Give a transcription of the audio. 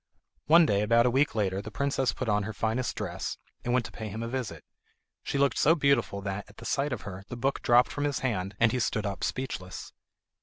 One day, about a week later, the princess put on her finest dress, and went to pay him a visit. She looked so beautiful that, at the sight of her, the book dropped from his hand, and he stood up speechless.